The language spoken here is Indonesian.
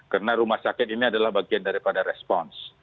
karena rumah sakit ini adalah bagian daripada respons